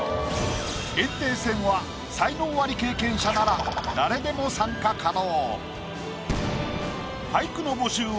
炎帝戦は才能アリ経験者なら誰でも参加可能。